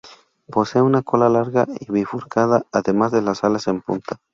Posee una cola larga y bifurcada, además de alas en punta.